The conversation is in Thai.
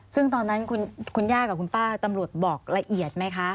ซึ่งตอนนั้นคุณย่ากับคุณป้าตำรวจบอกละเอียดไหมคะ